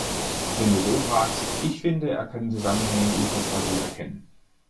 Wenn du so fragst, ich finde, er kann Zusammenhänge unfassbar gut erkennen.